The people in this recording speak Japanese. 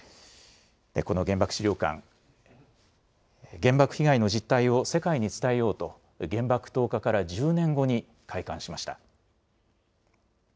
この原爆資料館、原爆被害の実態を世界に伝えようと、原爆投下から１０年後に開館しました。